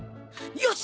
よし！